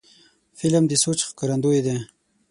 فلم د سوچ ښکارندوی دی